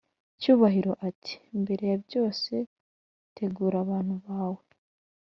Cyubahiro ati"mbere yabyose tegura abantu bawe